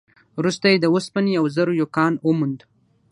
وروسته يې د اوسپنې او زرو يو کان وموند.